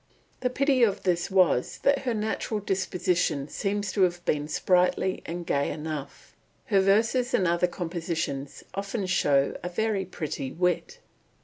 The pity of this was that her natural disposition seems to have been sprightly and gay enough; her verses and other compositions often show a very pretty wit.